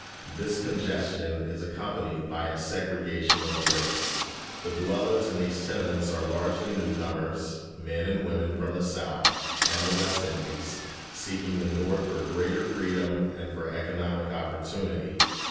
This congestion is accompanied by a segregation of the race. The dwellers in these tenements are largely new comers, men and women from the South and the West Indies, seeking the North for greater freedom and for economic opportunity.